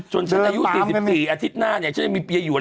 จนสักอายุ๔๐ปีอาทิตย์หน้าเนี้ยฉันยังมีเปียรียวย